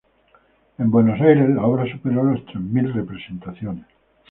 En Buenos Aires, la obra superó las tres mil representaciones.